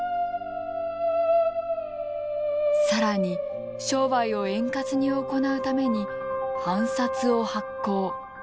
更に商売を円滑に行うために藩札を発行。